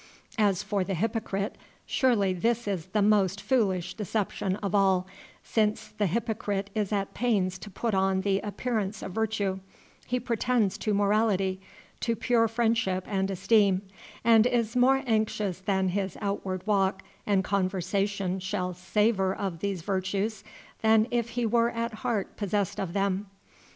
As for the hypocrite, surely this is the most foolish deception of all, since the hypocrite is at pains to put on the appearance of virtue, he pretends to morality, to pure friendship and esteem, and is more anxious that his outward walk and conversation shall savor of these virtues than if he were at heart possessed of them.